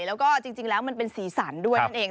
แล้วก็จริงแล้วมันเป็นสีสันด้วยนั่นเอง